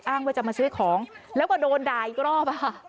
ว่าจะมาซื้อของแล้วก็โดนด่าอีกรอบ